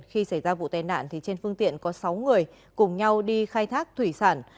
khi xảy ra vụ tai nạn trên phương tiện có sáu người cùng nhau đi khai thác thủy sản